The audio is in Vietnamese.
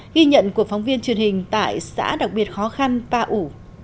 ghi nhận của phóng viên truyền hình tại xã đặc biệt khó khăn pa ủ